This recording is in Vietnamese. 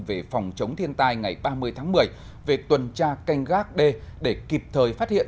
về phòng chống thiên tai ngày ba mươi tháng một mươi về tuần tra canh gác đê để kịp thời phát hiện